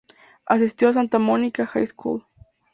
Asistió a "Santa Monica High School".